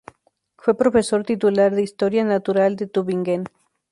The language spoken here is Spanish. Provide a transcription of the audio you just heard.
Fue profesor titular de Historia Natural de Tübingen.